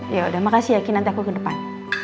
ya udah makasih ya kak nanti aku ke depan